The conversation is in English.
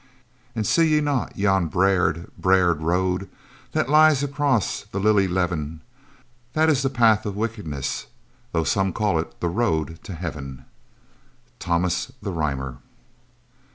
"And see ye not yon braid, braid road, That lies across the lily leven? That is the Path of Wickedness, Though some call it the road to Heaven." Thomas the Rhymer.